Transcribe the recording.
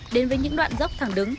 đến với những đoạn dốc thẳng đứng